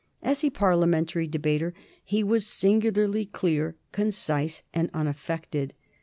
As a Parliamentary debater he was singularly clear, concise, and unaffected.